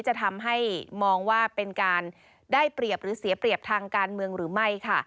จะทำให้มองว่าเป็นการได้เปรียบหรือเสียเปรียบทางการเมืองหรือไม่ค่ะ